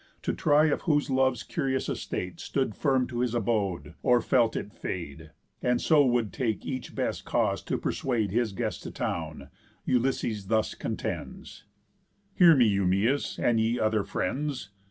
To try if whose love's curious estate Stood firm to his abode, or felt it fade, And so would take each best cause to persuade His guest to town, Ulysses thus contends: "Hear me, Eumæus, and ye other friends.